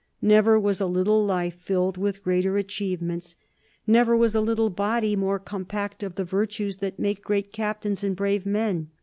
Never was a little life filled with greater achievements; never was a little body more compact of the virtues that make great captains and brave men.